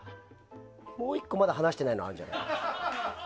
もう１個話してないのあるんじゃない？